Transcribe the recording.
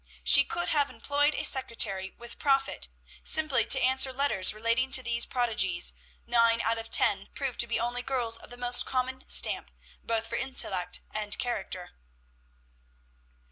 She could have employed a secretary with profit, simply to answer letters relating to these prodigies, and nine out of ten proved to be only girls of the most common stamp, both for intellect and character.